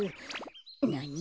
なに？